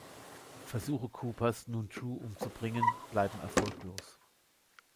Versuche Coopers, nun Drew umzubringen, bleiben erfolglos.